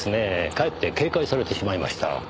かえって警戒されてしまいました。